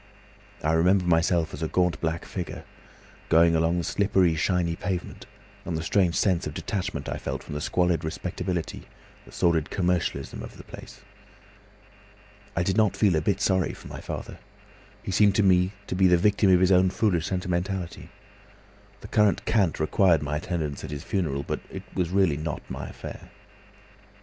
I remember myself as a gaunt black figure, going along the slippery, shiny pavement, and the strange sense of detachment I felt from the squalid respectability, the sordid commercialism of the place. "I did not feel a bit sorry for my father. He seemed to me to be the victim of his own foolish sentimentality. The current cant required my attendance at his funeral, but it was really not my affair.